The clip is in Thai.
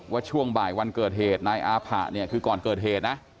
ว่าช่วงบ่ายวันเกิดเหตุหน้าอาผะคือก่อนเกิดเหตุนะ